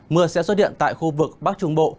mưa sẽ xuất hiện tại khu vực bắc trung bộ